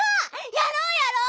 やろうやろう！